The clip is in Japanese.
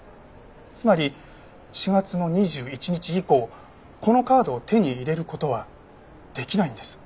つまり４月の２１日以降このカードを手に入れる事はできないんです。